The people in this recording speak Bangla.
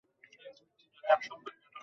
জানিস না তোর বাবা জানি কার পিঠ ভাংছে?